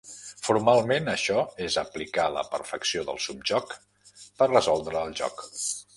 Formalment, això és aplicar la perfecció del subjoc per resoldre el joc.